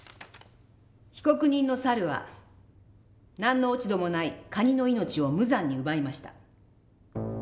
「被告人の猿は何の落ち度もないカニの命を無残に奪いました。